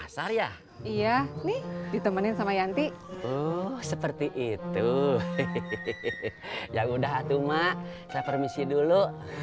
pasar ya iya nih ditemenin sama yanti seperti itu ya udah tuh mak saya permisi dulu